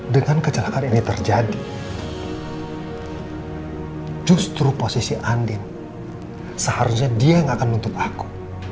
dengan kecelakaan ini terjadi justru posisi andin seharusnya dia yang akan menuntut aku